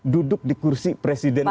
duduk di kursi presiden